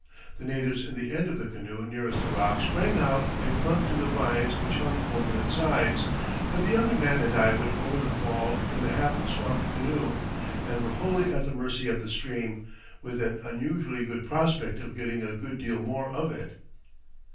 The natives in the end of the canoe nearest the rock sprang out and clung to the vines which hung over its sides, but the other man and I went over the fall in the half swamped canoe, and were wholly at the mercy of the stream, with an unusually good prospect of getting a good deal more of it.